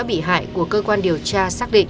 bị hại của cơ quan điều tra xác định